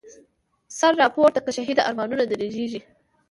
سر را پورته که شهیده، ارمانونه د رږیږی